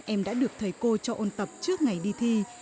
em đã được thầy cô cho ôn tập trước ngày đi thi